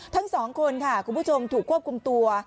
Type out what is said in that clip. ทั้งสองคนค่ะคุณผู้ชมถูกควบคุมตัว